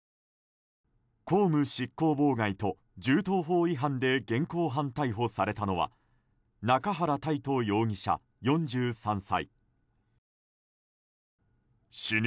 公務執行妨害と銃刀法違反で現行犯逮捕されたのは中原泰斗容疑者、４３歳。